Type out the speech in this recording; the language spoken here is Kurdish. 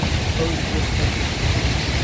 Ew ê bi dest nexin.